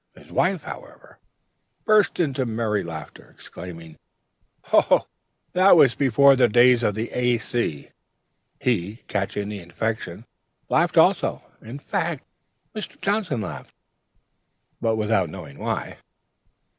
His wife, however, burst into a merry laugh, exclaiming: "Oh, that was before the days of the A.C.!" He, catching the infection, laughed also; in fact, Mr. Johnson laughed, but without knowing why.